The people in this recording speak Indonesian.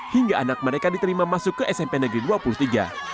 hingga anak mereka diterima masuk ke smp negeri dua puluh tiga